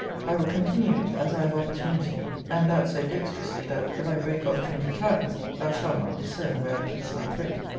I will continue it as I have opportunity; and that so dexterously, that, if I break off twenty times, thou shalt not discern where I piece my thread.